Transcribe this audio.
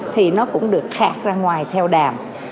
thì nó cũng được khát ra ngoài theo đàm